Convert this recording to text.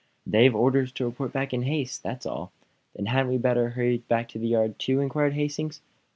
"They've orders to report back in haste. That's all." "Then hadn't we better hurry back to the yard, too?" inquired Hastings.